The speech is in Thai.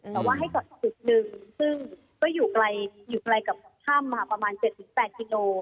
แต่ว่าให้จอดอีกจุดหนึ่งซึ่งก็อยู่ไกลกับถ้ำประมาณ๗๘กิโล